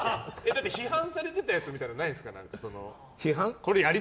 批判されてたやつみたいなのないんですか。